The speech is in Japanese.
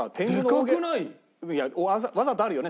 わざとあるよね